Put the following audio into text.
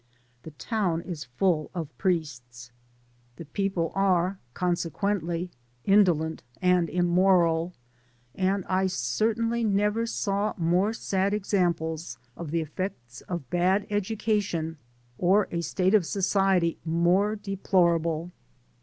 The town is full of priests — the people are con sequently indolent and immoral; and I certainly never saw more sad examples of the effects of bad education, or a state of society more de plorable.